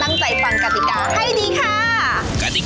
ตั้งใจฟังกติกาให้ดีค่ะ